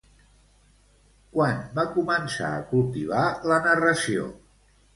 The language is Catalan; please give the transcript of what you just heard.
Quan va començar a cultivar la narració?